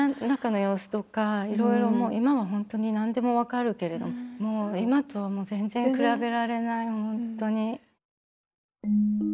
中の様子とかいろいろもう今は本当に何でも分かるけれども今とはもう全然比べられない本当に。